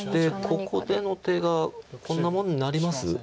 ここでの手がこんなもんになります？